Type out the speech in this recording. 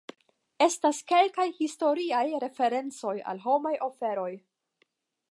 Estas kelkaj historiaj referencoj al homaj oferoj.